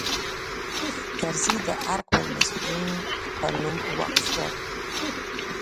کرزي د ارګ مېلمستون په نوم وقف کړه.